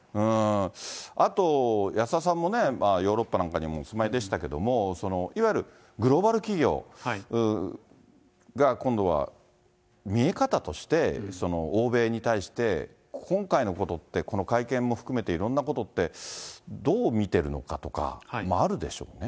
あと、安田さんもね、ヨーロッパなんかにもお住まいでしたけど、いわゆるグローバル企業が今度は見え方として、欧米に対して、今回のことって、この会見も含めていろんなことって、どう見てるのかとかもあるでしょうね。